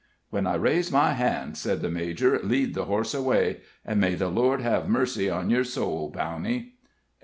"When I raise my hand," said the major, "lead the horse away; and may the Lord have mercy on your soul, Bowney!"